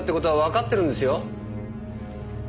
わかってるんですよ。